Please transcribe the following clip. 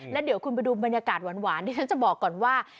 แล้วเดี๋ยวคุณไปดูบรรยากาศหวานที่ฉันจะบอกก่อนว่า